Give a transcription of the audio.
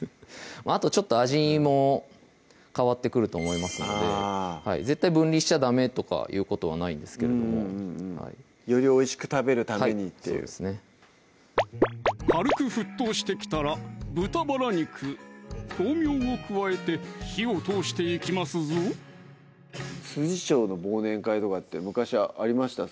あとちょっと味も変わってくると思いますので絶対分離しちゃダメとかいうことはないんですけれどもよりおいしく食べるためにというそうですね軽く沸騰してきたら豚バラ肉・豆苗を加えて火を通していきますぞ調の忘年会とかって昔ありました？